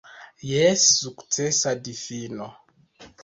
Jes, sukcesa difino.